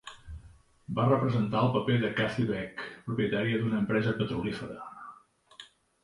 Va representar el paper de Kathy Veck, propietària d'una empresa petrolífera.